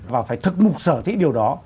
và phải thực mục sở thí điều đó